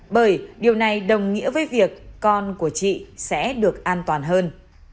bởi điều này đồng nghĩa với việc con của chị sẽ được an toàn hơn